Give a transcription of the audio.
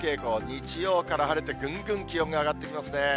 日曜から晴れてぐんぐん気温が上がってきますね。